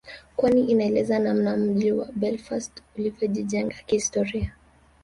kwani inaeleza namna mji wa Belfast ulivyojijenge kihistoria